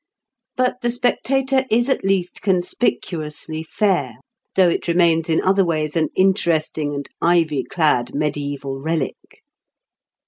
But the Spectator is at least conspicuously fair, though it remains in other ways an interesting and ivy clad mediæval relic.